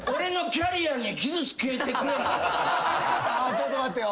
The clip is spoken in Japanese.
ちょっと待ってよ。